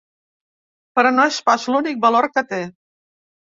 Però no és pas l’únic valor que té.